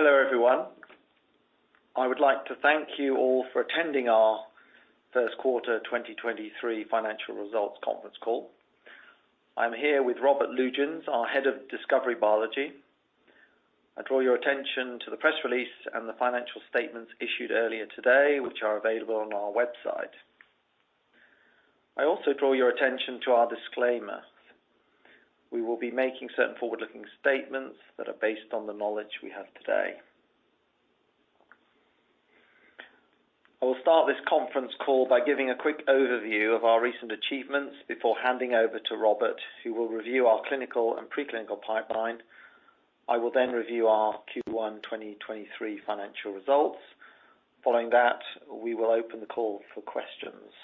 Hello, everyone. I would like to thank you all for attending our first quarter 2023 financial results conference call. I'm here with Robert Lütjens, our Head of Discovery - Biology. I draw your attention to the press release and the financial statements issued earlier today, which are available on our website. I also draw your attention to our disclaimer. We will be making certain forward-looking statements that are based on the knowledge we have today. I will start this conference call by giving a quick overview of our recent achievements before handing over to Robert, who will review our clinical and pre-clinical pipeline. I will then review our Q1 2023 financial results. Following that, we will open the call for questions.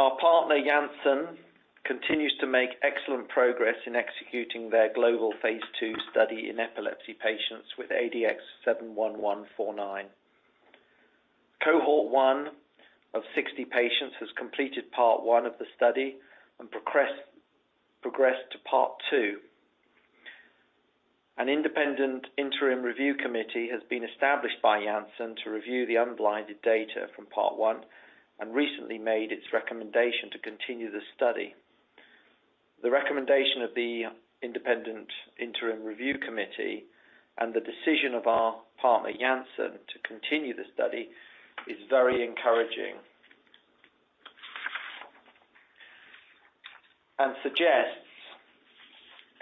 Our partner, Janssen, continues to make excellent progress in executing their global phase II study in epilepsy patients with ADX71149. cohort I of 60 patients has completed part 1 of the study and progressed to part 2. An independent interim review committee has been established by Janssen to review the unblinded data from part 1 and recently made its recommendation to continue the study. The recommendation of the independent interim review committee and the decision of our partner, Janssen, to continue the study is very encouraging. Suggests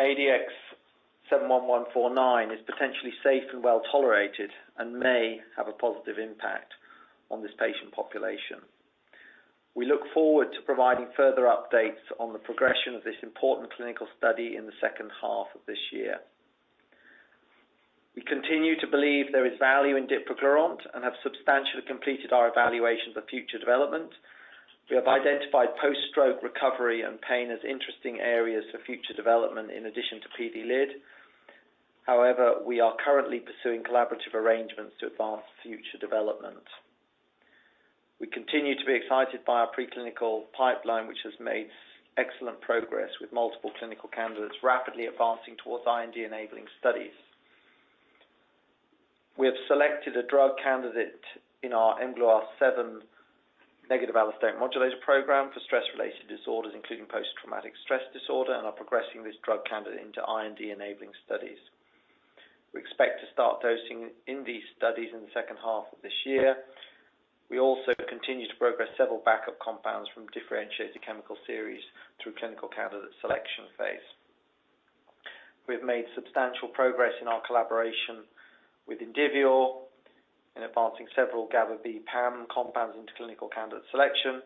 ADX71149 is potentially safe and well-tolerated and may have a positive impact on this patient population. We look forward to providing further updates on the progression of this important clinical study in the second half of this year. We continue to believe there is value in dipraglurant and have substantially completed our evaluations of future development. We have identified post-stroke recovery and pain as interesting areas for future development in addition to PD-LID. We are currently pursuing collaborative arrangements to advance future development. We continue to be excited by our preclinical pipeline, which has made excellent progress with multiple clinical candidates rapidly advancing towards IND-enabling studies. We have selected a drug candidate in our mGluR7 negative allosteric modulator program for stress-related disorders, including post-traumatic stress disorder, and are progressing this drug candidate into IND-enabling studies. We expect to start dosing in these studies in the second half of this year. We also continue to progress several backup compounds from differentiated chemical series through clinical candidate selection phase. We have made substantial progress in our collaboration with Indivior in advancing several GABAB PAM compounds into clinical candidate selection.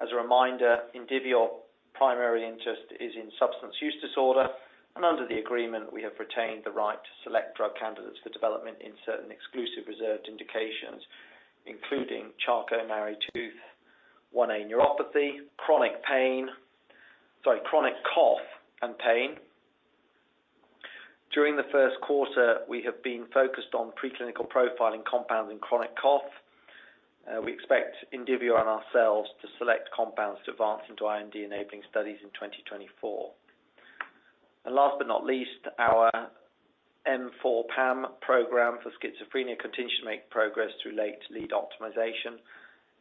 As a reminder, Indivior primary interest is in substance use disorder, and under the agreement we have retained the right to select drug candidates for development in certain exclusive reserved indications, including Charcot-Marie-Tooth, CMT1A neuropathy, chronic cough and pain. During the first quarter, we have been focused on preclinical profiling compounds in chronic cough. We expect Indivior and ourselves to select compounds to advance into IND-enabling studies in 2024. Last but not least, our M4 PAM program for schizophrenia continues to make progress through late lead optimization.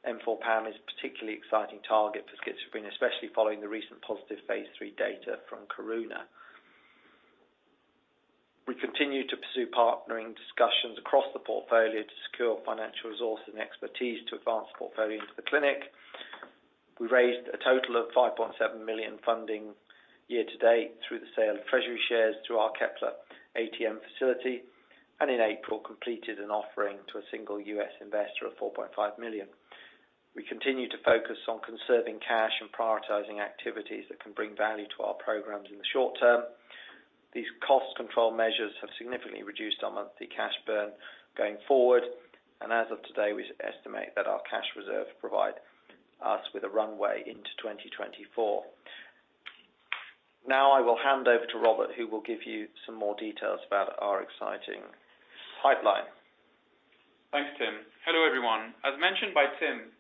M4 PAM is a particularly exciting target for schizophrenia, especially following the recent positive phase III data from Karuna. We continue to pursue partnering discussions across the portfolio to secure financial resource and expertise to advance portfolio into the clinic. We raised a total of 5.7 million funding year to date through the sale of treasury shares through our Kepler ATM facility, and in April completed an offering to a single U.S. investor of 4.5 million. We continue to focus on conserving cash and prioritizing activities that can bring value to our programs in the short term. These cost control measures have significantly reduced our monthly cash burn going forward. As of today, we estimate that our cash reserve provide us with a runway into 2024. I will hand over to Robert, who will give you some more details about our exciting pipeline. Thanks, Tim. Hello, everyone. As mentioned by Tim,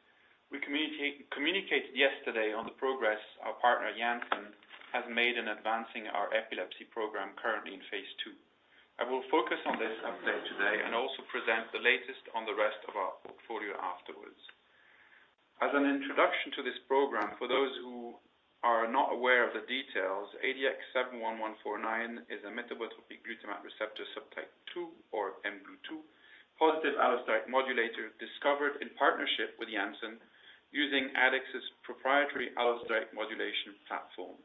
we communicated yesterday on the progress our partner, Janssen, has made in advancing our epilepsy program currently in phase II. I will focus on this update today and also present the latest on the rest of our portfolio afterwards. As an introduction to this program, for those who are not aware of the details, ADX71149 is a metabotropic glutamate receptor subtype two or mGlu2 positive allosteric modulator discovered in partnership with Janssen using Addex's proprietary allosteric modulation platform.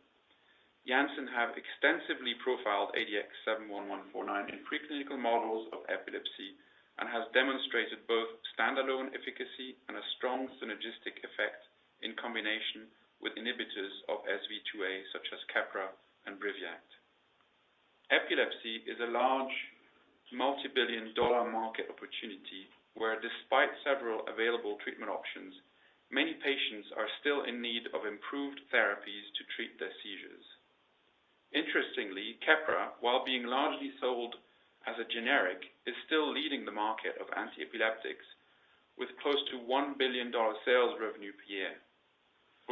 Janssen have extensively profiled ADX71149 in pre-clinical models of epilepsy and has demonstrated both standalone efficacy and a strong synergistic effect in combination with inhibitors of SV2A such as Keppra and Briviact. Epilepsy is a large multi-billion dollar market opportunity where despite several available treatment options, many patients are still in need of improved therapies to treat their seizures. Interestingly, Keppra, while being the generic, is still leading the market of antiepileptics with close to $1 billion sales revenue per year.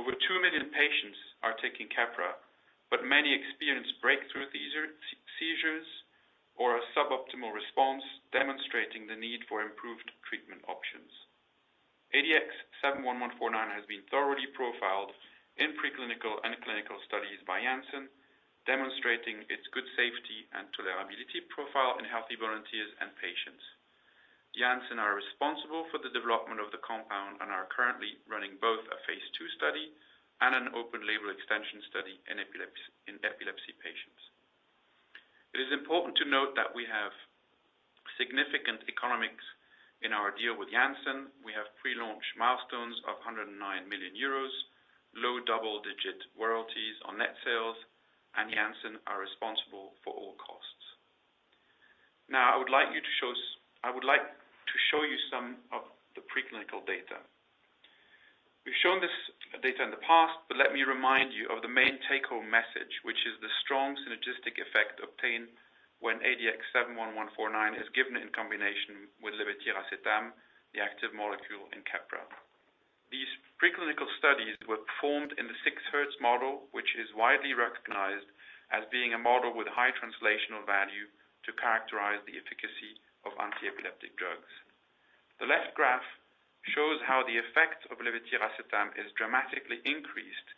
Over 2 million patients are taking Keppra, but many experience breakthrough seizures or a suboptimal response demonstrating the need for improved treatment options. ADX71149 has been thoroughly profiled in preclinical and clinical studies by Janssen demonstrating its good safety and tolerability profile in healthy volunteers and patients. Janssen are responsible for the development of the compound and are currently running both a phase II study and an open label extension study in epilepsy patients. It is important to note that we have significant economics in our deal with Janssen. We have pre-launch milestones of 109 million euros, low double-digit royalties on net sales. Janssen are responsible for all costs. I would like to show you some of the preclinical data. We've shown this data in the past. Let me remind you of the main take-home message, which is the strong synergistic effect obtained when ADX71149 is given in combination with levetiracetam, the active molecule in Keppra. These preclinical studies were performed in the 6 Hz model, which is widely recognized as being a model with high translational value to characterize the efficacy of antiepileptic drugs. The left graph shows how the effect of levetiracetam is dramatically increased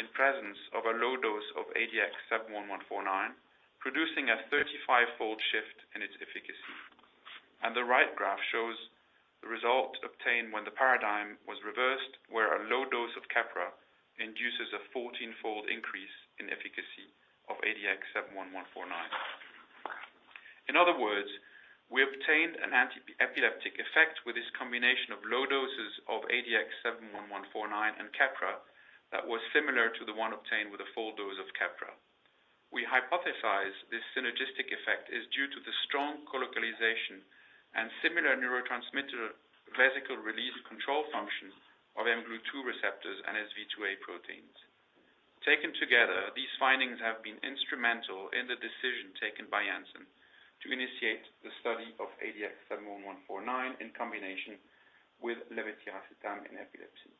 in presence of a low dose of ADX71149, producing a 35-fold shift in its efficacy. The right graph shows the result obtained when the paradigm was reversed, where a low dose of Keppra induces a 14-fold increase in efficacy of ADX71149. In other words, we obtained an antiepileptic effect with this combination of low doses of ADX71149 and Keppra that was similar to the one obtained with a full dose of Keppra. We hypothesize this synergistic effect is due to the strong colocalization and similar neurotransmitter vesicle release control function of mGlu2 receptors and SV2A proteins. Taken together, these findings have been instrumental in the decision taken by Janssen to initiate the study of ADX71149 in combination with levetiracetam in epilepsy.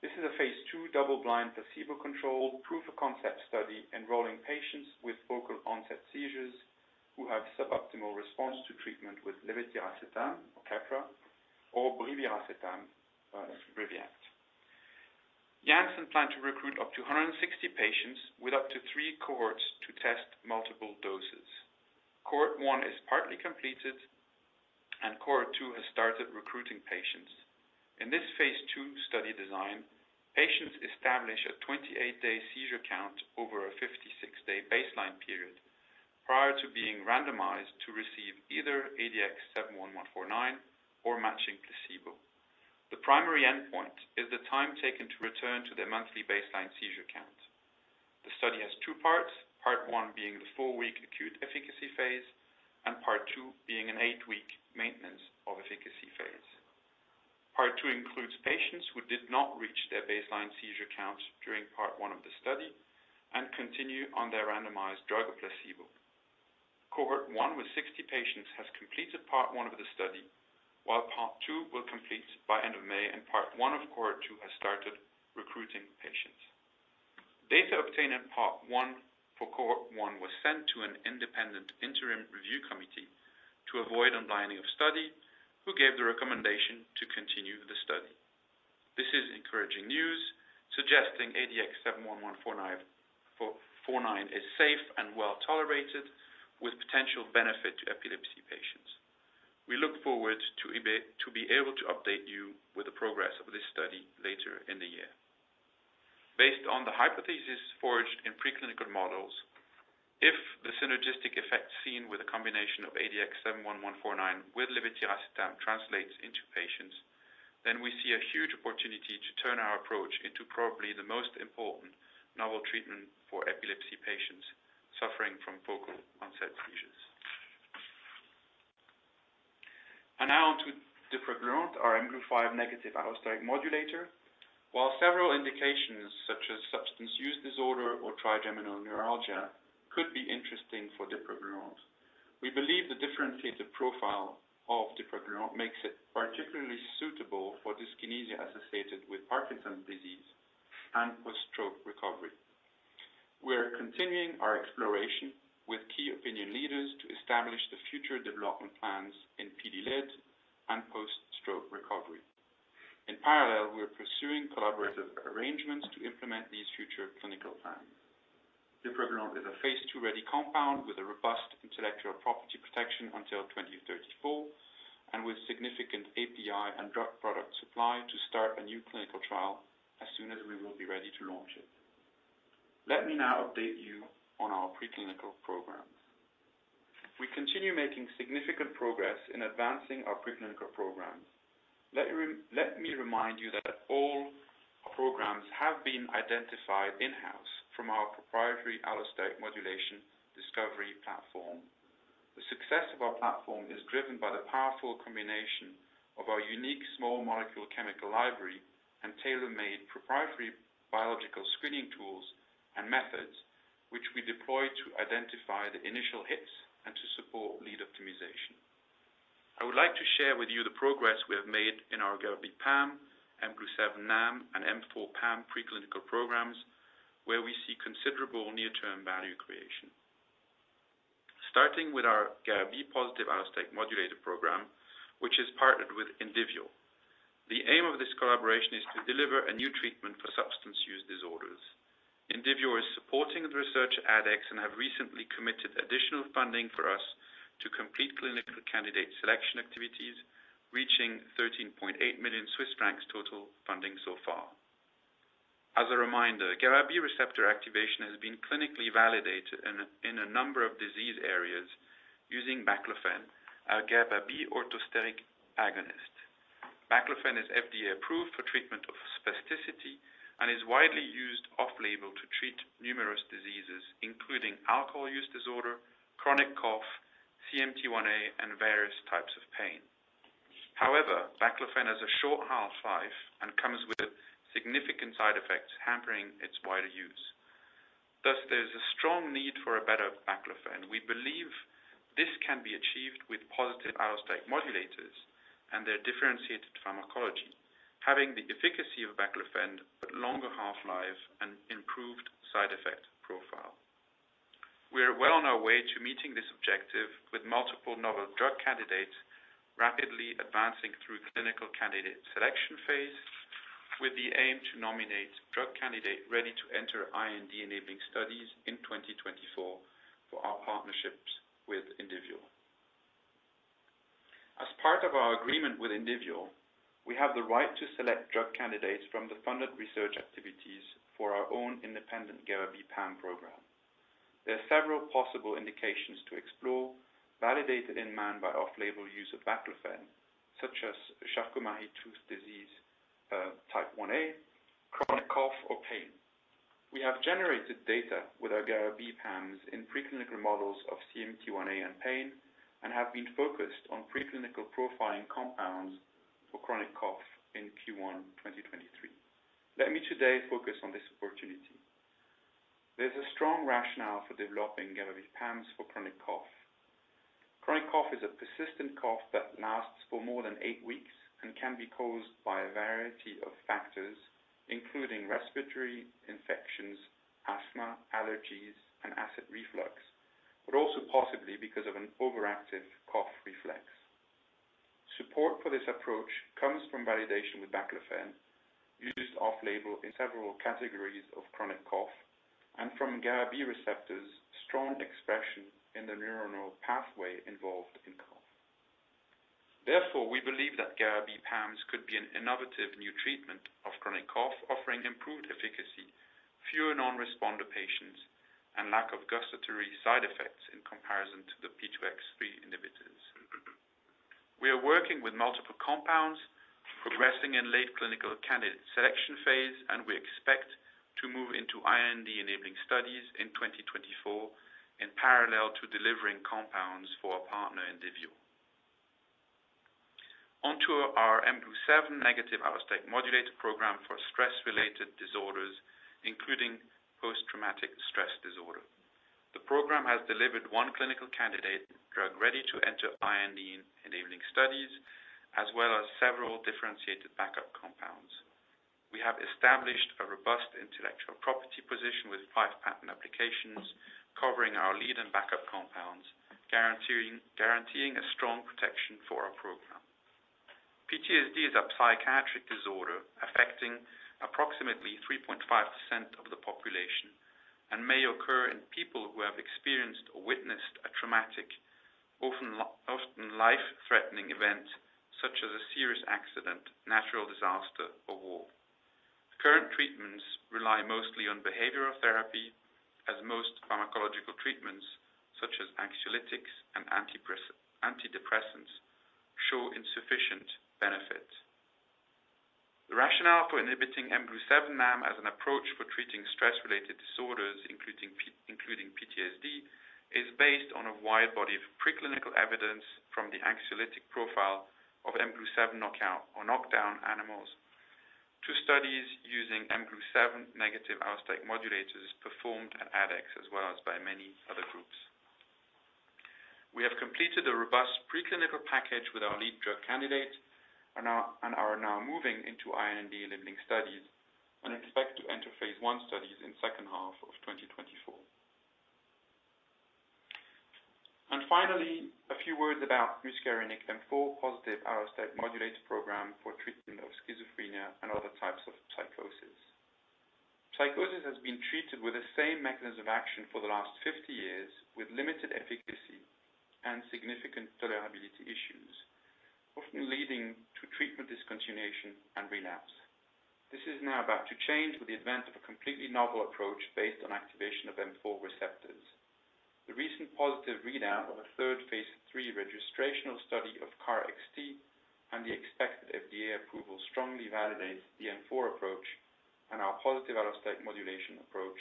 This is a phase II double-blind placebo-controlled proof of concept study enrolling patients with focal onset seizures who have suboptimal response to treatment with levetiracetam or Keppra or brivaracetam, Briviact. Janssen plan to recruit up to 160 patients with up to three cohorts to test multiple doses. cohort I is partly completed and cohort II has started recruiting patients. In this phase II study design, patients establish a 28-day seizure count over a 56-day baseline period prior to being randomized to receive either ADX71149 or matching placebo. The primary endpoint is the time taken to return to their monthly baseline seizure count. The study has 2 parts, Part 1 being the 4-week acute efficacy phase and Part 2 being an 8-week maintenance of efficacy phase. Part 2 includes patients who did not reach their baseline seizure count during Part 1 of the study and continue on their randomized drug or placebo. Cohort one with 60 patients has completed part one of the study, while part two will complete by end of May and part one of cohort two has started recruiting patients. Data obtained in part one for cohort one was sent to an independent interim review committee to avoid unblinding of study who gave the recommendation to continue the study. This is encouraging news suggesting ADX71149 is safe and well-tolerated with potential benefit to epilepsy patients. We look forward to be able to update you with the progress of this study later in the year. Based on the hypothesis forged in preclinical models, if the synergistic effect seen with a combination of ADX71149 with levetiracetam translates into patients, then we see a huge opportunity to turn our approach into probably the most important novel treatment for epilepsy patients suffering from focal onset seizures. Now on to dipraglurant, our mGlu5 negative allosteric modulator. While several indications such as substance use disorder or trigeminal neuralgia could be interesting for dipraglurant, we believe the differentiated profile of dipraglurant makes it particularly suitable for dyskinesia associated with Parkinson's disease and post-stroke recovery. We are continuing our exploration with key opinion leaders to establish the future development plans in PD-LID and post-stroke recovery. In parallel, we are pursuing collaborative arrangements to implement these future clinical plans. dipraglurant is a phase II-ready compound with a robust intellectual property protection until 2034 and with significant API and drug product supply to start a new clinical trial as soon as we will be ready to launch it. Let me now update you on our preclinical programs. We continue making significant progress in advancing our preclinical programs. Let me remind you that all programs have been identified in-house from our proprietary allosteric modulation platform. Success of our platform is driven by the powerful combination of our unique small molecule chemical library and tailor-made proprietary biological screening tools and methods, which we deploy to identify the initial hits and to support lead optimization. I would like to share with you the progress we have made in our GABAA PAM, mGlu7 NAM, and M4 PAM preclinical programs, where we see considerable near-term value creation. Starting with our GABAA positive allosteric modulator program, which is partnered with Indivior. The aim of this collaboration is to deliver a new treatment for substance use disorders. Indivior is supporting the research Addex and have recently committed additional funding for us to complete clinical candidate selection activities, reaching 13.8 million Swiss francs total funding so far. As a reminder, GABAB receptor activation has been clinically validated in a number of disease areas using Baclofen, our GABAB orthosteric agonist. Baclofen is FDA approved for treatment of spasticity and is widely used off-label to treat numerous diseases, including alcohol use disorder, chronic cough, CMT1A, and various types of pain. Baclofen has a short half-life and comes with significant side effects hampering its wider use. There's a strong need for a better Baclofen. We believe this can be achieved with positive allosteric modulators and their differentiated pharmacology, having the efficacy of Baclofen but longer half-life and improved side effect profile. We are well on our way to meeting this objective with multiple novel drug candidates rapidly advancing through clinical candidate selection phase with the aim to nominate drug candidate ready to enter IND-enabling studies in 2024 for our partnerships with Indivior. As part of our agreement with Indivior, we have the right to select drug candidates from the funded research activities for our own independent GABAPAM program. There are several possible indications to explore, validated in man by off-label use of Baclofen, such as Charcot-Marie-Tooth disease, type 1A, chronic cough or pain. We have generated data with our GABAPAMs in preclinical models of CMT1A and pain, and have been focused on preclinical profiling compounds for chronic cough in Q1 2023. Let me today focus on this opportunity. There's a strong rationale for developing GABAPAMs for chronic cough. Chronic cough is a persistent cough that lasts for more than 8 weeks and can be caused by a variety of factors, including respiratory infections, asthma, allergies, and acid reflux, but also possibly because of an overactive cough reflex. Support for this approach comes from validation with Baclofen used off-label in several categories of chronic cough and from GABAB receptors strong expression in the neuronal pathway involved in cough. We believe that GABAPAMs could be an innovative new treatment of chronic cough, offering improved efficacy, fewer non-responder patients, and lack of gustatory side effects in comparison to the P2X3 inhibitors. We are working with multiple compounds progressing in late clinical candidate selection phase, and we expect to move into IND-enabling studies in 2024 in parallel to delivering compounds for our partner, Indivior. Onto our mGlu7 negative allosteric modulator program for stress-related disorders, including post-traumatic stress disorder. The program has delivered one clinical candidate drug ready to enter IND-enabling studies, as well as several differentiated backup compounds. We have established a robust intellectual property position with 5 patent applications covering our lead and backup compounds, guaranteeing a strong protection for our program. PTSD is a psychiatric disorder affecting approximately 3.5% of the population and may occur in people who have experienced or witnessed a traumatic, often life-threatening event such as a serious accident, natural disaster, or war. Current treatments rely mostly on behavioral therapy, as most pharmacological treatments, such as anxiolytics and antidepressants, show insufficient benefit. The rationale for inhibiting mGlu7 NAM as an approach for treating stress-related disorders, including PTSD, is based on a wide body of preclinical evidence from the anxiolytic profile of mGlu7 knockout or knockdown animals to studies using mGlu7 negative allosteric modulators performed at Addex as well as by many other groups. We have completed a robust preclinical package with our lead drug candidate and are now moving into IND-enabling studies and expect to enter phase I studies in second half of 2024. Finally, a few words about M4 positive allosteric modulator program for treatment of schizophrenia and other types of psychosis. Psychosis has been treated with the same mechanism action for the last 50 years with limited efficacy and significant tolerability issues, often leading to treatment discontinuation and relapse. This is now about to change with the advent of a completely novel approach based on activation of M4 receptors. The recent positive readout of a third phase III registrational study of KarXT. The expected FDA approval strongly validates the M4 approach and our positive allosteric modulation approach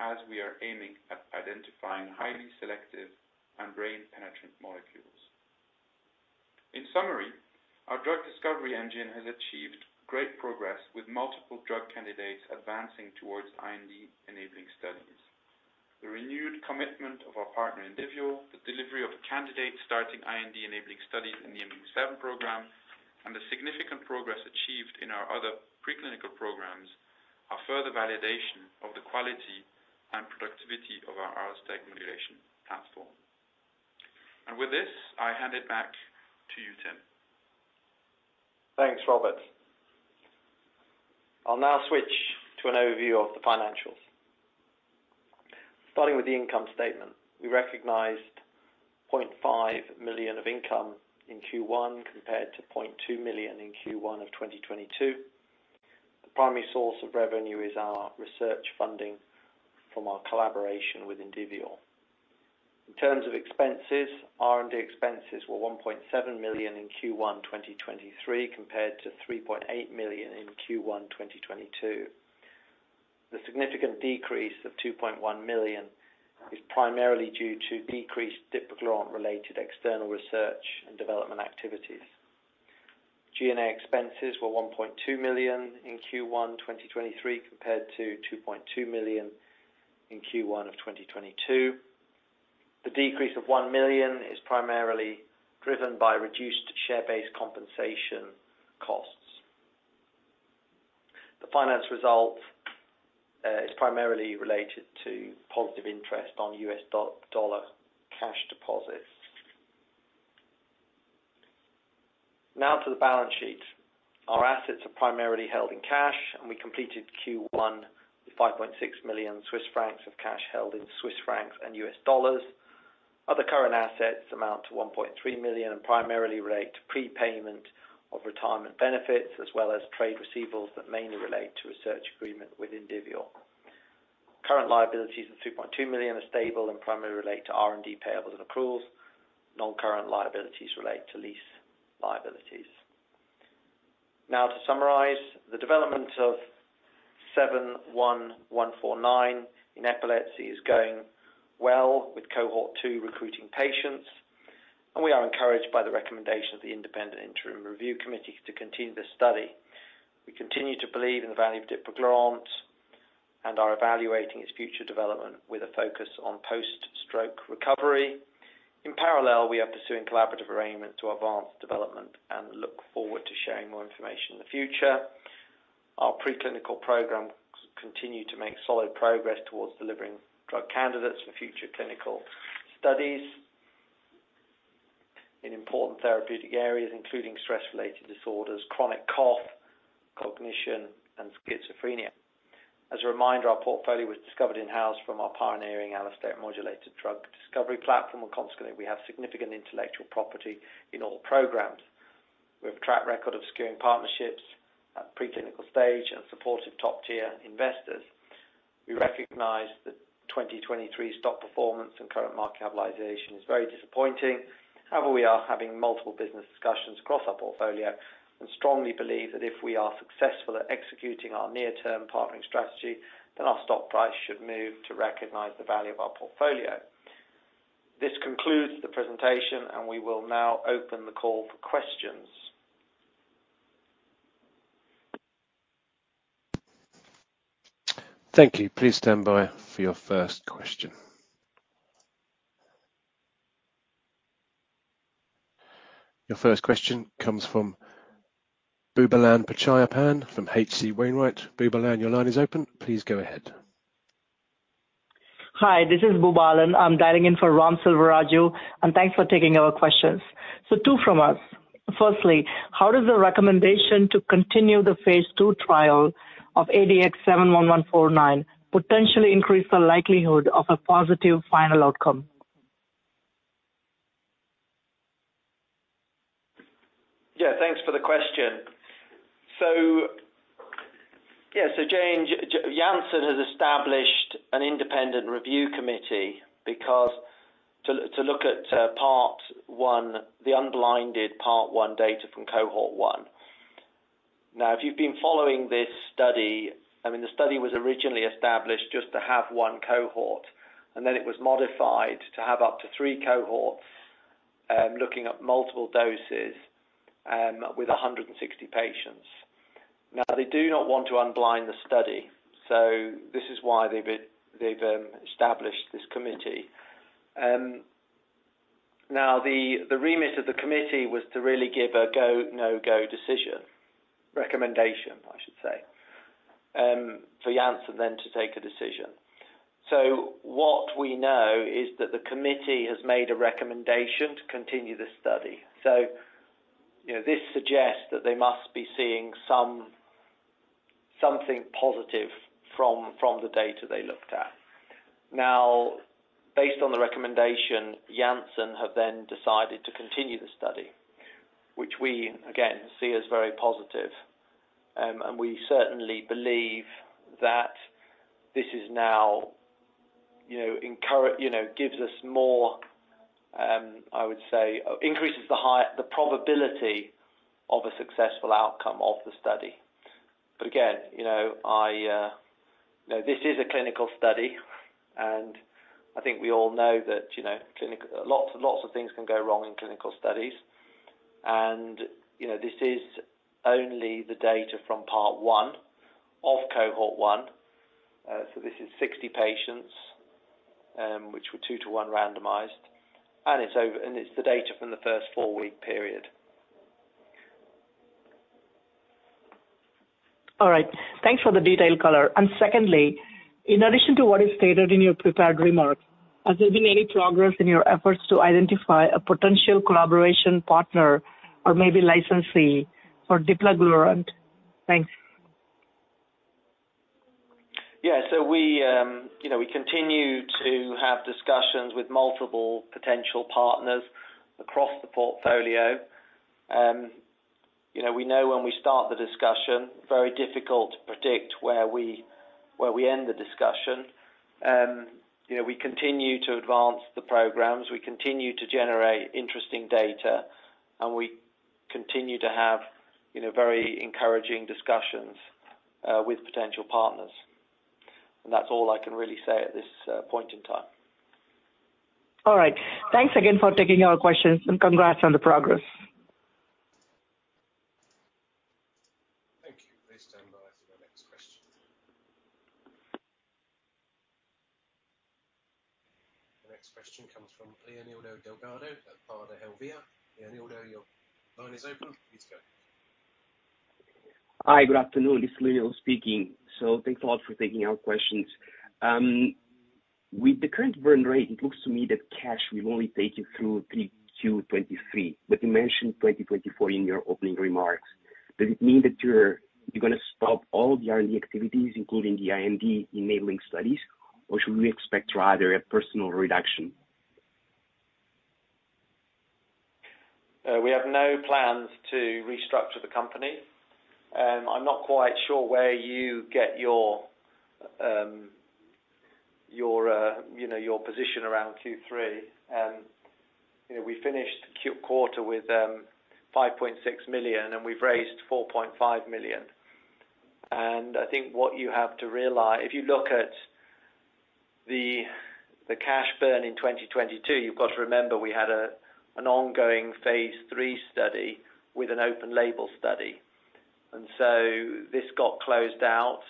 as we are aiming at identifying highly selective and brain penetrant molecules. In summary, our drug discovery engine has achieved great progress with multiple drug candidates advancing towards IND-enabling studies. The renewed commitment of our partner, Indivior, the delivery of candidates starting IND-enabling studies in the mGlu7 program, and the significant progress achieved in our other preclinical programs are further validation of the quality and productivity of our allosteric modulation platform. With this, I hand it back to you, Tim. Thanks, Robert. I'll now switch to an overview of the financials. Starting with the income statement. We recognized $0.5 million of income in Q1 compared to $0.2 million in Q1 of 2022. The primary source of revenue is our research funding from our collaboration with Indivior. In terms of expenses, R&D expenses were $1.7 million in Q1 2023, compared to $3.8 million in Q1 2022. The significant decrease of $2.1 million is primarily due to decreased dipraglurant-related external research and development activities. G&A expenses were $1.2 million in Q1 2023, compared to $2.2 million in Q1 of 2022. The decrease of $1 million is primarily driven by reduced share-based compensation costs. The finance result is primarily related to positive interest on U.S. dollar cash deposits. To the balance sheet. Our assets are primarily held in cash. We completed Q1 with 5.6 million Swiss francs of cash held in Swiss francs and USD. Other current assets amount to 1.3 million and primarily relate to prepayment of retirement benefits, as well as trade receivables that mainly relate to a search agreement with Indivior. Current liabilities of 2.2 million are stable and primarily relate to R&D payables and accruals. Non-current liabilities relate to lease liabilities. Now to summarize, the development of ADX71149 in epilepsy is going well with cohort II recruiting patients, and we are encouraged by the recommendation of the independent interim review committee to continue this study. We continue to believe in the value of dipraglurant and are evaluating its future development with a focus on post-stroke recovery. In parallel, we are pursuing collaborative arrangements to advance development and look forward to sharing more information in the future. Our preclinical program continue to make solid progress towards delivering drug candidates for future clinical studies in important therapeutic areas, including stress-related disorders, chronic cough, cognition, and schizophrenia. As a reminder, our portfolio was discovered in-house from our pioneering allosteric modulated drug discovery platform, and consequently, we have significant intellectual property in all programs. We have a track record of securing partnerships at preclinical stage and supportive top-tier investors. We recognize that 2023 stock performance and current market capitalization is very disappointing. However, we are having multiple business discussions across our portfolio and strongly believe that if we are successful at executing our near-term partnering strategy, then our stock price should move to recognize the value of our portfolio. This concludes the presentation, and we will now open the call for questions. Thank you. Please stand by for your first question. Your first question comes from Boobalan Pachaiyappan from H.C. Wainwright. Boobalan, your line is open. Please go ahead. Hi, this is Boobalan. I'm dialing in for Raghuram Selvaraju, thanks for taking our questions. Two from us. Firstly, how does the recommendation to continue the phase II trial of ADX71149 potentially increase the likelihood of a positive final outcome? Thanks for the question. Janssen has established an independent review committee to look at part one, the unblinded part one data from cohort one. If you've been following this study, I mean, the study was originally established just to have one cohort, and then it was modified to have up to three cohorts, looking at multiple doses, with 160 patients. They do not want to unblind the study, this is why they've established this committee. The remit of the committee was to really give a go, no-go decision. Recommendation, I should say, for Janssen then to take a decision. What we know is that the committee has made a recommendation to continue this study. You know, this suggests that they must be seeing something positive from the data they looked at. Based on the recommendation, Janssen have then decided to continue the study, which we again see as very positive. We certainly believe that this is now. You know, gives us more, I would say increases the probability of a successful outcome of the study. Again, you know, I, you know, this is a clinical study, and I think we all know that, you know, lots and lots of things can go wrong in clinical studies. You know, this is only the data from part 1 of cohort I. This is 60 patients, which were 2 to 1 randomized, and it's the data from the first 4-week period. All right. Thanks for the detailed color. Secondly, in addition to what is stated in your prepared remarks, has there been any progress in your efforts to identify a potential collaboration partner or maybe licensee for dipraglurant? Thanks. We, you know, we continue to have discussions with multiple potential partners across the portfolio. You know, we know when we start the discussion, very difficult to predict where we end the discussion. You know, we continue to advance the programs. We continue to generate interesting data, and we continue to have, you know, very encouraging discussions with potential partners. That's all I can really say at this point in time. All right. Thanks again for taking our questions, and congrats on the progress. Thank you. Please stand by for the next question. The next question comes from Leonildo Delgado at Baader Helvea. Leonildo, your line is open. Please go. Hi. Good afternoon. This is Leonildo speaking. Thanks a lot for taking our questions. With the current burn rate, it looks to me that cash will only take you through 3Q 2023. You mentioned 2024 in your opening remarks. Does it mean that you're gonna stop all the R&D activities, including the IND-enabling studies, or should we expect rather a personal reduction? We have no plans to restructure the company. I'm not quite sure where you get your, you know, your position around Q3. You know, we finished quarter with 5.6 million, and we've raised 4.5 million. I think what you have to If you look at the cash burn in 2022, you've got to remember we had an ongoing phase III study with an open label study. This got closed out.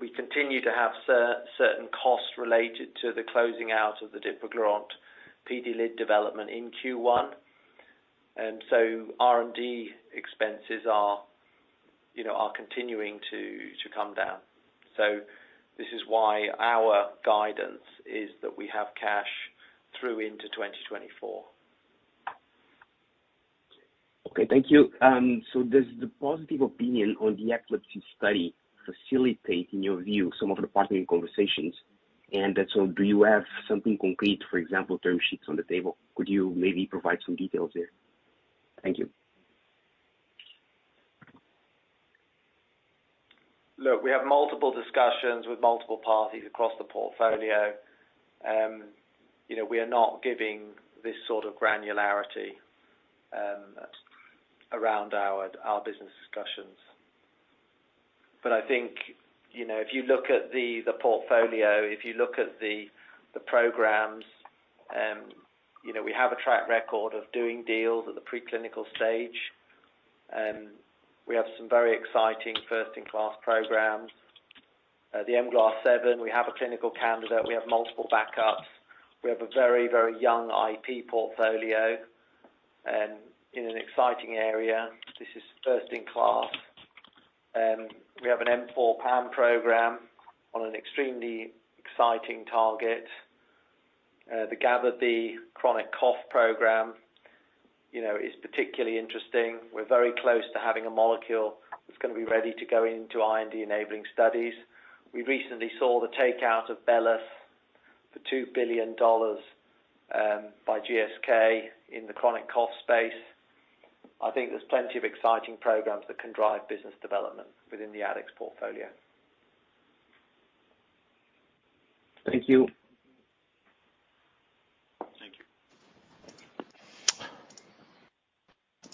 We continue to have certain costs related to the closing out of the dipraglurant PD-LID development in Q1. R&D expenses are, you know, continuing to come down. This is why our guidance is that we have cash through into 2024. Okay. Thank you. Does the positive opinion on the epilepsy study facilitate, in your view, some of the partnering conversations? Do you have something concrete, for example, term sheets on the table? Could you maybe provide some details there? Thank you. Look, we have multiple discussions with multiple parties across the portfolio. You know, we are not giving this sort of granularity around our business discussions. I think, you know, if you look at the portfolio, if you look at the programs, you know, we have a track record of doing deals at the preclinical stage. We have some very exciting first-in-class programs. The mGluR7, we have a clinical candidate. We have multiple backups. We have a very young IP portfolio in an exciting area. This is first in class. We have an M4 PAM program on an extremely exciting target. The GABAB chronic cough program, you know, is particularly interesting. We're very close to having a molecule that's gonna be ready to go into IND-enabling studies. We recently saw the takeout of BELLUS for $2 billion, by GSK in the chronic cough space. I think there's plenty of exciting programs that can drive business development within the Addex portfolio. Thank you. Thank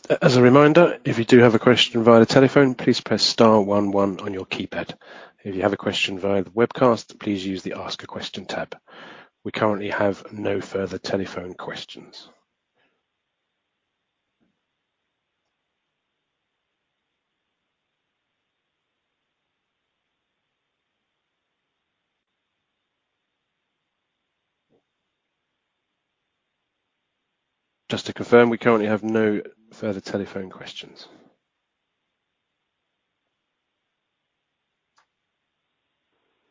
you. As a reminder, if you do have a question via the telephone, please press star 11 on your keypad. If you have a question via the webcast, please use the Ask a Question tab. We currently have no further telephone questions. Just to confirm, we currently have no further telephone questions.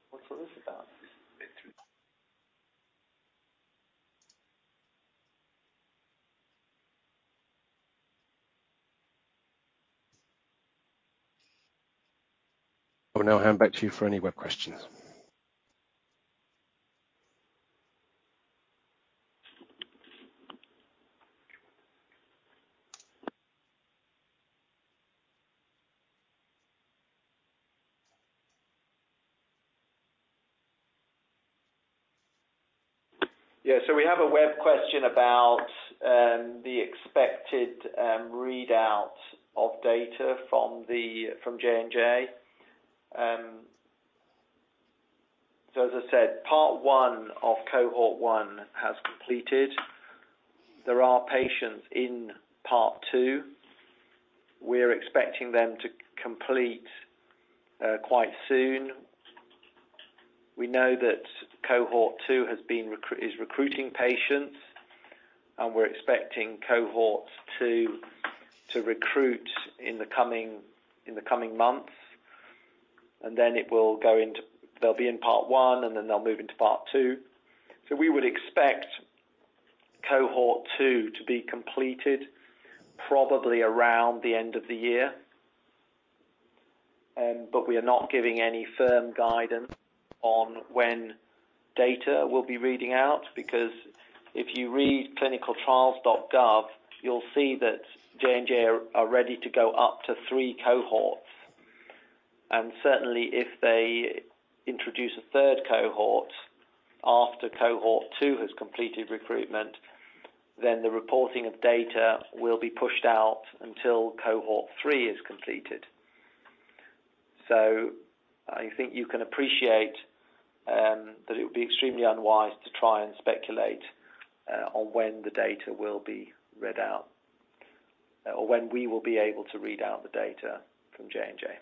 What's all this about? I will now hand back to you for any web questions. Yeah. We have a web question about the expected readout of data from J&J. As I said, part 1 of cohort I has completed. There are patients in part 2. We're expecting them to complete quite soon. We know that cohort II is recruiting patients. We're expecting cohort II to recruit in the coming months. They'll be in part 1, they'll move into part 2. We would expect cohort II to be completed probably around the end of the year. We are not giving any firm guidance on when data will be reading out because if you read ClinicalTrials.gov, you'll see that J&J are ready to go up to 3 cohorts. Certainly, if they introduce a third cohort after cohort two has completed recruitment, then the reporting of data will be pushed out until cohort three is completed. I think you can appreciate that it would be extremely unwise to try and speculate on when the data will be read out or when we will be able to read out the data from J&J.